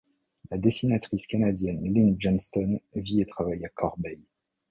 La dessinatrice canadienne Lynn Johnston vit et travaille à Corbeil.